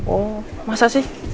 oh masa sih